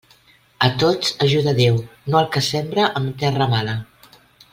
A tots ajuda Déu, no al que sembra en terra mala.